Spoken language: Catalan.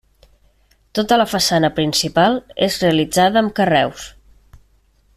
Tota la façana principal és realitzada amb carreus.